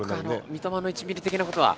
「三苫の１ミリ」てきなことは。